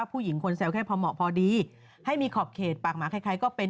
ผู้หญิงคนแซวแค่พอเหมาะพอดีให้มีขอบเขตปากหมาใครก็เป็น